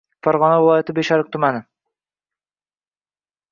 Farg‘ona viloyati Beshariq tumani